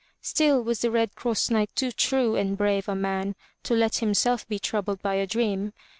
Still was the Red Cross Knight too true and brave a man to let himself be troubled by a dream.